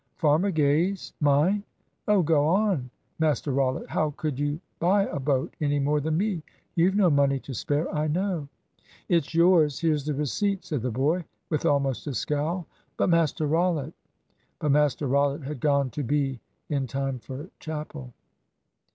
"Farmer Gay's mine? Oh, go on, Master Rollitt, how could you buy a boat any more than me? You've no money to spare, I know." "It's yours here's the receipt," said the boy, with almost a scowl. "But, Master Rollitt " But Master Rollitt had gone to be in time for chapel.